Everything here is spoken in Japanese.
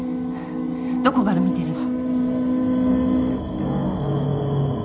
どこから見てるの？